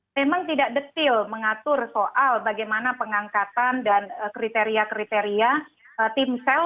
memang tidak detil mengatur soal bagaimana pengangkatan dan kriteria kriteria timsel